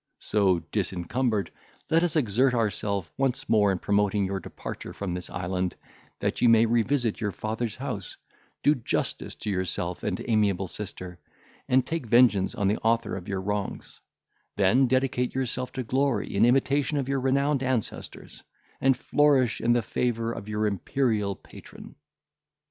So disencumbered, let us exert ourselves once more in promoting your departure from this island, that you may revisit your father's house, do justice to yourself and amiable sister, and take vengeance on the author of your wrongs; then dedicate yourself to glory, in imitation of your renowned ancestors, and flourish in the favour of your imperial patron."